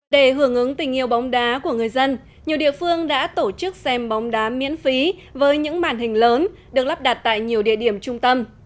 để hưởng ứng tình yêu bóng đá của người dân nhiều địa phương đã tổ chức xem bóng đá miễn phí với những màn hình lớn được lắp đặt tại nhiều địa điểm trung tâm